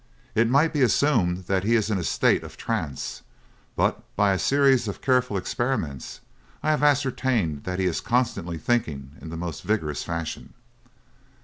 It might be assumed that he is in a state of trance, but by a series of careful experiments, I have ascertained that he is constantly thinking in the most vigourous fashion.